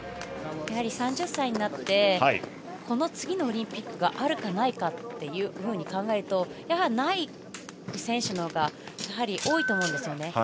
３０歳になってこの次のオリンピックがあるかないかと考えるとない選手のほうが多いと思うんですね。